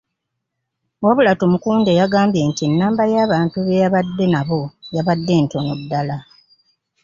Wabula Tumukunde yagambye nti ennamba y'abantu be yabadde nabo yabadde ntono ddala .